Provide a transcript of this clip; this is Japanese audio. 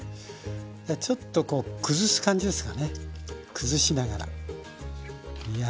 ちょっとこう崩す感じですかね崩しながら。